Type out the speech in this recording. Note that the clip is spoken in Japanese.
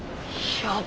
やば。